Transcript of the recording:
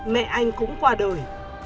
mẹ anh cũng qua đời